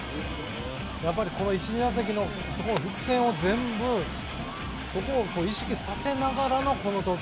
やっぱりこの１、２打席の伏線を全部意識させながらの投球。